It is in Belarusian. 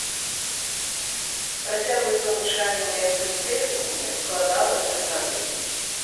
Працягласць навучання ў лясным тэхнікуме складала тры гады.